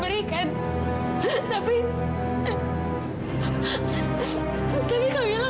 bukannya kamilah menentang takdir yang allah berikan